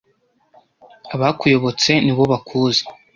Abakuyobotse nibo bakuzi,